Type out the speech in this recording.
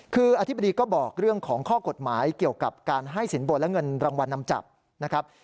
คืออธิบดีก็บอกเรื่องของข้อกฎหมายเกี่ยวกับการให้สินบนและเงินรางวัลนำจับนะครับ